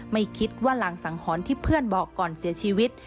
ไม่คิดว่ารางสังหรณ์ที่เพื่อนบอกก่อนเสียชีวิต